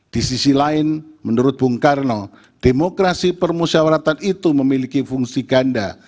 di sisi lain menurut bung karno demokrasi permusyawaratan itu memiliki fungsi ganda